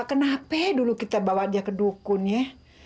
kenapa dulu kita bawa dia ke dukun ya